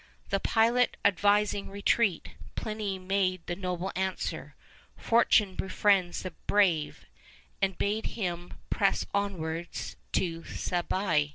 The pilot advising retreat, Pliny made the noble answer, 'Fortune befriends the brave,' and bade him press onwards to Stabiæ.